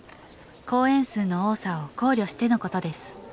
公演数の多さを考慮してのことです。